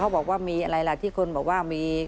เขาบอกว่ามีอะไรน่ะที่คนบอกว่า